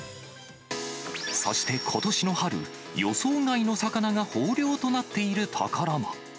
そしてことしの春、予想外の魚が豊漁となっている所も。